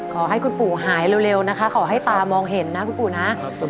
ขอให้คุณปู่หายเร็วนะคะขอให้ตามองเห็นนะคุณปู่นะ